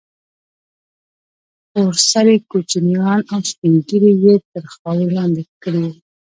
تور سرې كوچنيان او سپين ږيري يې تر خاورو لاندې كړي وو.